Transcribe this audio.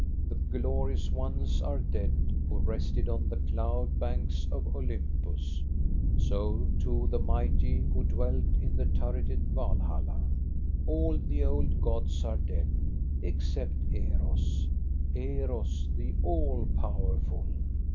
The glorious ones are dead who rested on the cloud banks of Olympus ; so too the mighty who dwelt in the turreted Valhalla. All the old gods are dead ex cept Eros, Eros, the all powerful